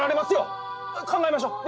考えましょう！